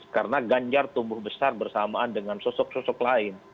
karena ganjar tumbuh besar bersamaan dengan sosok sosok lain